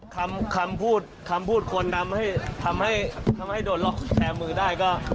คำคำพูดคำพูดคนนำให้ทำให้ทำให้โดนล็อกแคมือได้ก็